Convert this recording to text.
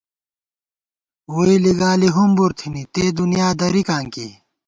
ووئی لِگالی ہُمبُر تھنی ، تے دُنیا دَرِکاں کی